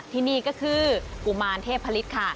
ที่นี่ก็คือกุมารเทพฤษค่ะ